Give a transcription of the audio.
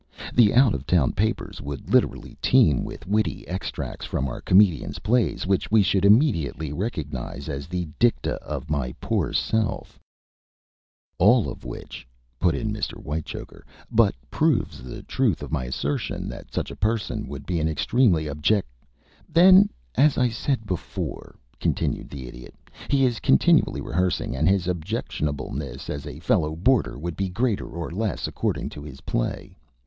The out of town papers would literally teem with witty extracts from our comedian's plays, which we should immediately recognize as the dicta of my poor self." [Illustration: "THEY ARE GIVEN TO REHEARSING AT ALL HOURS"] "All of which," put in Mr. Whitechoker, "but proves the truth of my assertion that such a person would be an extremely objec " "Then, as I said before," continued the Idiot, "he is continually rehearsing, and his objectionableness as a fellow boarder would be greater or less, according to his play.